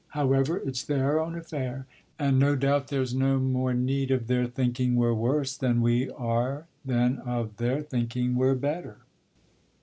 However, it's their own affair, and no doubt there's no more need of their thinking we're worse than we are than of their thinking we're better.